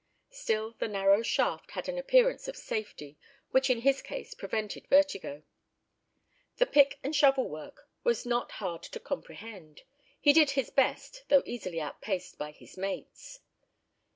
Still the narrow shaft had an appearance of safety, which in his case prevented vertigo. The pick and shovel work was not hard to comprehend. He did his best, though easily outpaced by his mates.